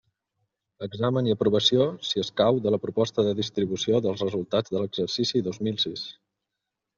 Examen i aprovació, si escau, de la proposta de distribució dels resultats de l'exercici dos mil sis.